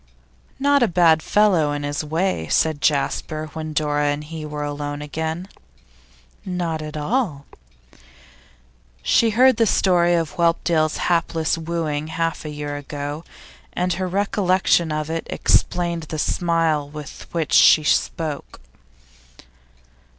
'Not a bad fellow, in his way,' said Jasper, when Dora and he were alone again. 'Not at all.' She had heard the story of Whelpdale's hapless wooing half a year ago, and her recollection of it explained the smile with which she spoke.